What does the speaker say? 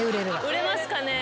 売れますかね？